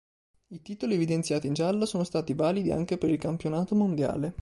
I titoli evidenziati in giallo sono stati validi anche per il campionato mondiale.